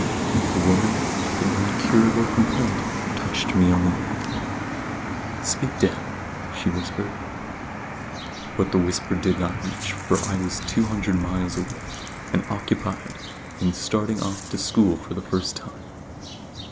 The woman with an incurable complaint touched me on the knee. "Speak to him," she whispered. But the whisper did not reach, for I was two hundred miles away, and occupied in starting off to school for the first time.